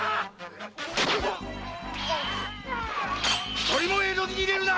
一人も江戸に入れるな！